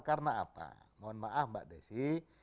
karena apa mohon maaf mbak desi